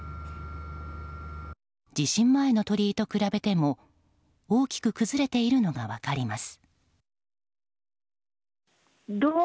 地震前の鳥居と比べても大きく崩れているのが分かります。